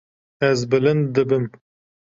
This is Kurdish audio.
Ez bilind dibim.